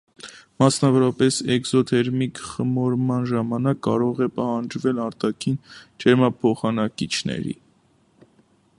Մասնավորապես էկզոթերմիկ խմորման ժամանակ կարող է պահանջվել արտաքին ջերմափոխանակիչների օգտագործում։